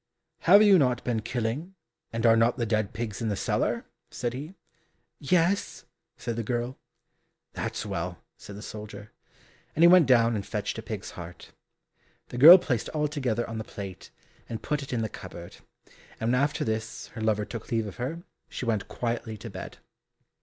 "Have you not been killing, and are not the dead pigs in the cellar?" said he. "Yes," said the girl. "That's well," said the soldier, and he went down and fetched a pig's heart. The girl placed all together on the plate, and put it in the cupboard, and when after this her lover took leave of her, she went quietly to bed.